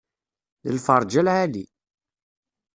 D lferja n lεali.